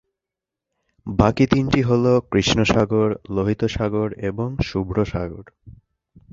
বাকি তিনটি হল কৃষ্ণ সাগর, লোহিত সাগর এবং শুভ্র সাগর।